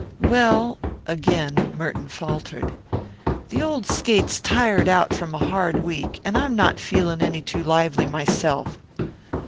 "Well" again Merton faltered "the old skate's tired out from a hard week, and I'm not feeling any too lively myself."